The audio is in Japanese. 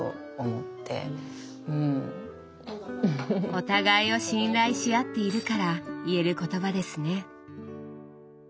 お互いを信頼しあっているから言える言葉ですね。